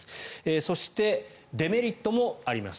そして、デメリットもあります。